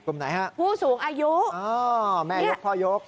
ไหนฮะผู้สูงอายุอ๋อแม่ยกพ่อยก